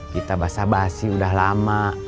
kita basah basi udah lama